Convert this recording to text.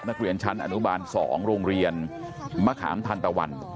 นักเรียนชั้นอนุบาล๒โรงเรียนมะขามทันตะวัน